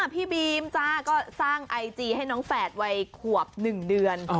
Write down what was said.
พี่บีมจ้าก็สร้างไอจีให้น้องแฝดวัยขวบ๑เดือน